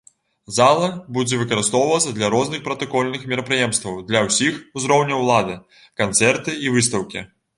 Зала будзе выкарыстоўвацца для розных пратакольных мерапрыемстваў для ўсіх узроўняў улады, канцэрты і выстаўкі.